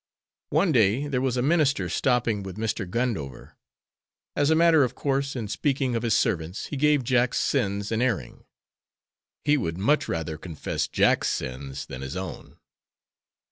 One day there was a minister stopping with Mr. Gundover. As a matter of course, in speaking of his servants, he gave Jack's sins an airing. He would much rather confess Jack's sins than his own.